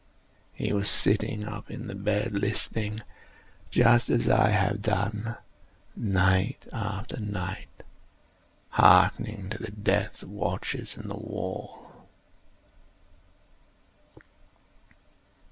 He was still sitting up in the bed listening;—just as I have done, night after night, hearkening to the death watches in the wall.